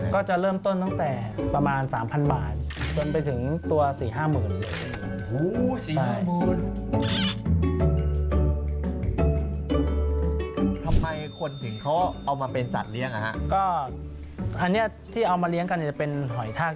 ก็เลยทำให้คนนิยมเลี้ยงครับ